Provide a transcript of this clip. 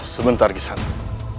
sebentar kisah anak